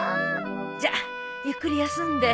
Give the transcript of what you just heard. じゃゆっくり休んで。